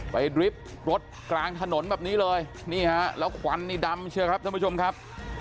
ริฟท์รถกลางถนนแบบนี้เลยนี่ฮะแล้วควันนี่ดำเชื่อครับท่านผู้ชมครับ